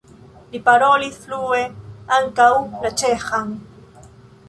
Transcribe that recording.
Li parolis flue ankaŭ la ĉeĥan.